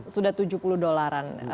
sudah tujuh puluh dolaran